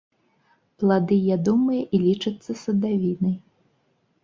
Плады ядомыя і лічацца садавінай.